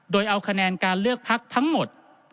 โดยเอาคะแนนการเลือกพักทั้งหมด